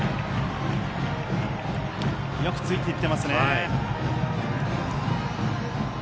よくついていっていますね。